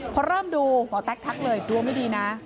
พอเริ่มดูหมอแต๊กทักเลยดวงไม่ดีนะ